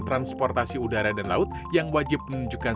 transportasi udara dan laut yang wajib menunjukkan